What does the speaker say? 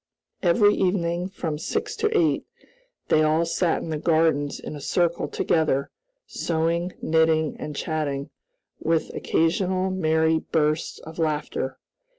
Every evening, from six to eight, they all sat in the gardens in a circle together, sewing, knitting, and chatting, with occasional merry bursts of laughter.